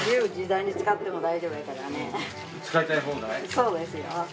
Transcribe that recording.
そうですよ。